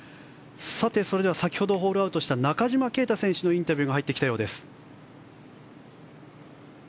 それでは先ほどホールアウトした中島啓太選手のインタビューが入ってきました。